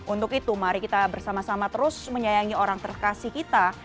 untuk itu mari kita bersama sama terus menyayangi orang terkasih kita